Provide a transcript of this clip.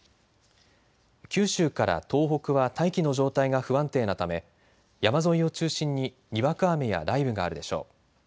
九州から東北は大気の状態が不安定なため山沿いを中心ににわか雨や雷雨があるでしょう。